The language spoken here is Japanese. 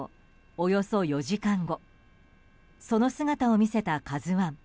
およそ４時間後その姿を見せた「ＫＡＺＵ１」。